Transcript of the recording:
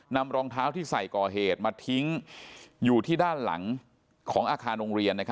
รองเท้าที่ใส่ก่อเหตุมาทิ้งอยู่ที่ด้านหลังของอาคารโรงเรียน